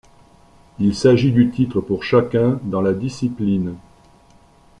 Il s'agit du titre pour chacun dans la discipline.